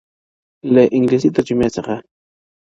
له انګلیسي ترجمې څخه-